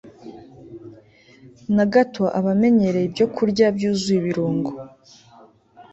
na gato abamenyereye ibyokurya byuzuye ibirungo